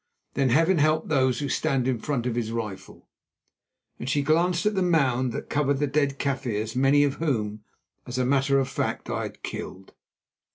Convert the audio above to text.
Then Heaven help those who stand in front of his rifle," and she glanced at the mound that covered the dead Kaffirs, many of whom, as a matter of fact, I had killed.